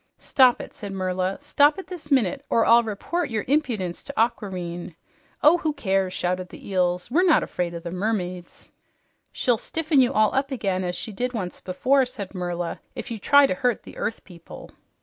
"Stop it!" said Merla. "Stop it this minute, or I'll report your impudence to Aquareine." "Oh, who cares?" shouted the Eels. "We're not afraid of the mermaids." "She'll stiffen you up again, as she did once before," said Merla, "if you try to hurt the earth people."